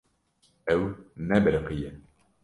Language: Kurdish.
Ew nebiriqiye.